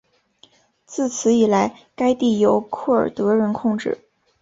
自此以来该地由库尔德人控制。